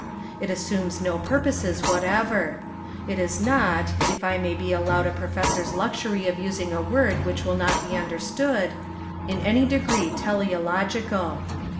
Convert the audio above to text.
It assumes no purposes whatever. It is not — if I may be al lowed a professor's luxury of using a word which will not be understood — in any degree teleological.